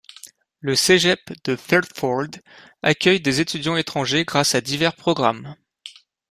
Le Cégep de Thetford accueille des étudiants étrangers grâce à divers programmes.